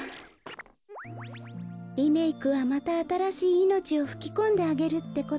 リメークはまたあたらしいいのちをふきこんであげるってことなのよ。